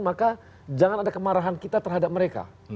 maka jangan ada kemarahan kita terhadap mereka